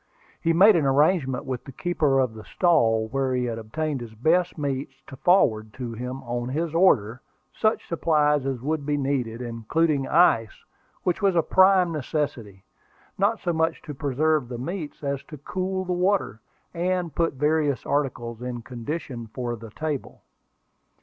He made an arrangement with the keeper of the stall where he had obtained his best meats to forward to him, on his order, such supplies as would be needed, including ice, which was a prime necessity, not so much to preserve the meats as to cool the water, and put various articles in condition for the table.